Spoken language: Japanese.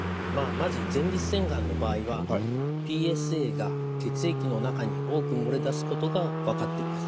まず前立腺がんの場合はＰＳＡが血液の中に多く漏れ出すことが分かっています。